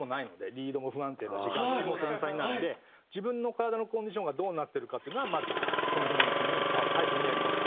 リードも不安定だし楽器も繊細なので自分の体のコンディションがどうなってるかっていうのはまずその日のうちに最初にやりますね。